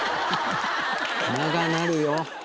長なるよ。